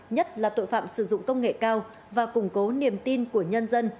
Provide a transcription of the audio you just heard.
nhất là tội phạm sử dụng công nghệ cao và củng cố niềm tin của nhân dân